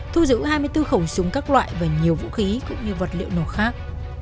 thu giữ hai mươi bốn khẩu súng các loại và nhiều vũ khí cũng như vật liệu nổ khác